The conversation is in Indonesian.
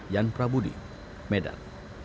jan prabudi medan